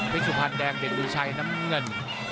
วิสุพันธ์แดงเด็กดูชัยน้ำเงิน